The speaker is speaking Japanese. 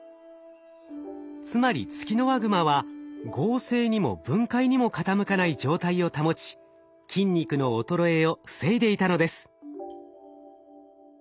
つまりツキノワグマは合成にも分解にも傾かない状態を保ち筋肉の衰えを防いでいたのです。